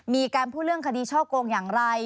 มีการพูดเรื่องคดีช่อโกงอย่างไร